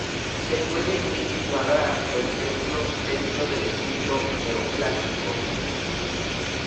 Se puede encuadrar el templo dentro del estilo Neoclásico.